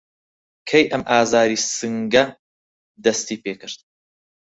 کەی ئەم ئازاری سنگه دەستی پیکرد؟